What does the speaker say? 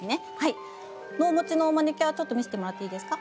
お持ちのマニキュアちょっと見せてもらっていいですか？